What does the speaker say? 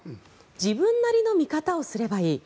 自分なりの見方をすればいい